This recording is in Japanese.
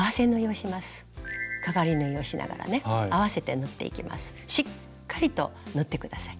しっかりと縫って下さい。